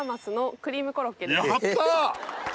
やった！